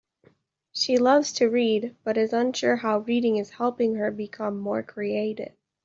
She loves to read, but is unsure how reading is helping her become more creative.